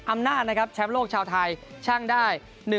อำนาจนะครับแชมป์โลกชาวไทยช่างได้